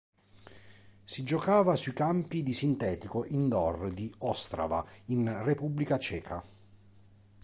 Si giocava sui campi in sintetico indoor di Ostrava in Repubblica Ceca.